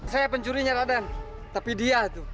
saya pencurinya raden tapi dia itu